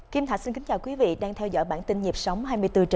kim thạch xin kính chào quý vị đang theo dõi bản tin nhịp sóng hai mươi bốn h bảy